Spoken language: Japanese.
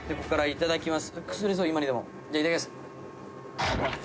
いただきます。